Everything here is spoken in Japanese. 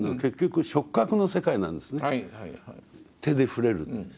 手で触れる。